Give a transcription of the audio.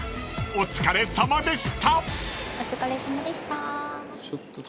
お疲れさまです。